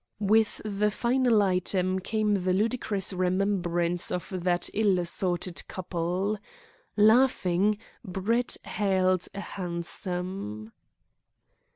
With the final item came the ludicrous remembrance of that ill assorted couple. Laughing, Brett hailed a hansom.